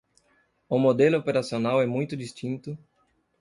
O modelo operacional é muito distinto